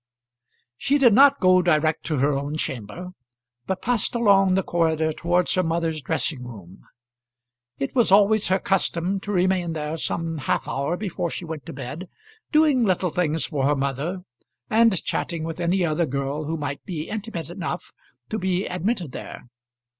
She did not go direct to her own chamber, but passed along the corridor towards her mother's dressing room. It was always her custom to remain there some half hour before she went to bed, doing little things for her mother, and chatting with any other girl who might be intimate enough to be admitted there.